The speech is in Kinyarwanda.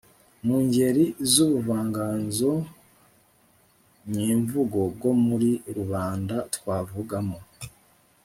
mu ngeri z'ubuvanganzo nyemvugo bwo muri rubanda twavugamo